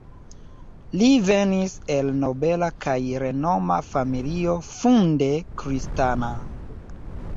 Li venis el nobela kaj renoma familio funde kristana.